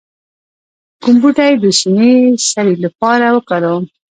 کوم بوټي د شینې سرې لپاره وکاروم؟